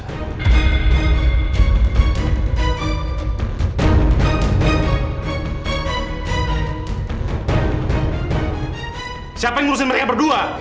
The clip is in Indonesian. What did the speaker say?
siapa yang ngurusin mereka berdua